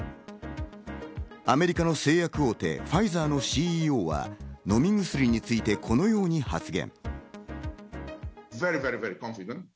アメリカの製薬大手ファイザーのＣＥＯは飲み薬についてこのように発言。